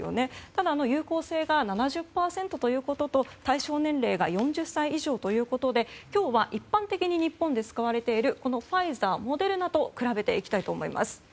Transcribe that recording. ただ、有効性が７０％ということと対象年齢が４０歳以上ということで今日は一般的に日本で使われているこのファイザー、モデルナと比べていきたいと思います。